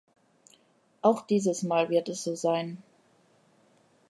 Auch dieses Mal wird es so sein.